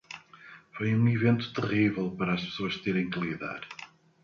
Foi um evento terrível para as pessoas terem que lidar.